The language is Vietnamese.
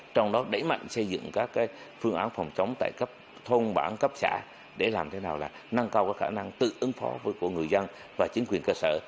trong đó đẩy mạnh xây dựng các phương án phòng chống tại cấp thôn bản cấp xã để làm thế nào là nâng cao khả năng tự ứng phó của người dân và chính quyền cơ sở